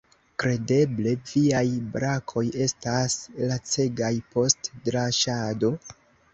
Kredeble viaj brakoj estas lacegaj post draŝado?